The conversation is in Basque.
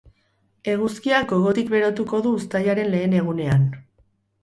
Eguzkiak gogotik berotuko du uztailaren lehen egunean.